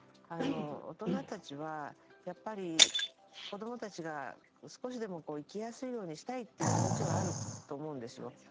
大人たちは子どもたちが少しでも生きやすいようにしたいという気持ちはあると思うんですよ。